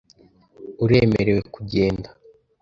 Uremerewe kugenda .